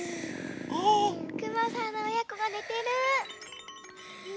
くまさんのおやこがねてる。